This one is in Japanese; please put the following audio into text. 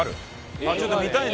あっちょっと見たいね。